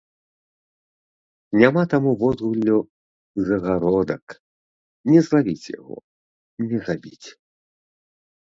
Няма таму водгуллю загародак, не злавіць яго, не забіць.